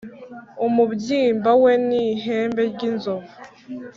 Umubyimba we ni ihembe ry’inzovu,